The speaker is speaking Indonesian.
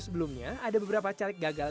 sebelumnya ada beberapa caleg gagal